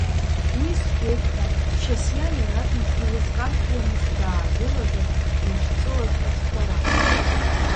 Уи сҳәеит ҳәа, Шьасиа иаразнак илызкаршәуамызт даагылазар дзышьцылаз аҽхәара.